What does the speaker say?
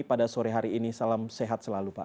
pada sore hari ini salam sehat selalu pak